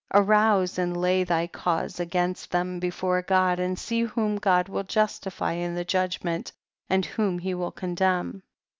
34. Arouse and lay thy* cause against them before God, and see whom God will justify in the judg ment, and whom he will condemn.